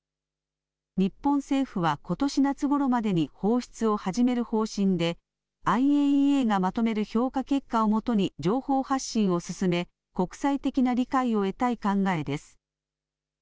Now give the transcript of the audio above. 日本政府は、ことし夏ごろまでに放出を始める方針で、ＩＡＥＡがまとめる評価結果をもとに情報発信を進め、国際的な理解を得たい考えです。